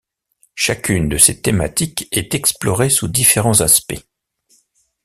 Chacune de ces thématiques est explorée sous différents aspects.